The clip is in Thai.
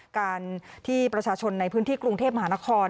การที่ประชาชนในพื้นที่กรุงเทพมหานคร